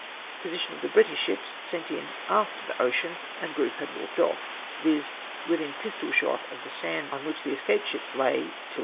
Position of the British ships sent in after the Ocean and group had warped off, viz. Avithin pistol shot of the sand on which the escaped ships lay till 1 p.m. agi'ound.